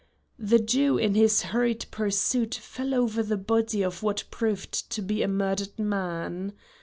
The Jew in his hurried pursuit fell over the body of what proved to be a murdered man.